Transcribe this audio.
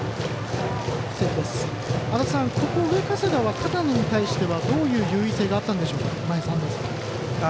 足達さん、ここは上加世田は片野に対してどういう優位性があったんでしょうか。